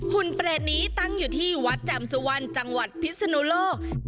หุ่นเปรตนี้ตั้งอยู่ที่วัดแจ่มสุวรรณจังหวัดพิศนุโลก